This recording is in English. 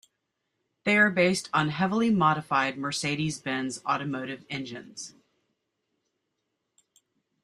They are based on heavily modified Mercedes-Benz automotive engines.